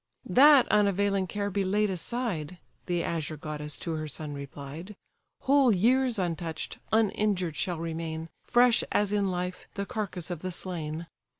"That unavailing care be laid aside, (The azure goddess to her son replied,) Whole years untouch'd, uninjured shall remain, Fresh as in life, the carcase of the slain.